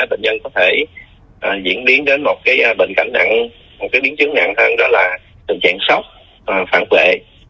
bệnh nhân có thể diễn biến đến một cái bệnh cảnh nặng một cái biến chứng nặng hơn đó là tình trạng sóc phản vệ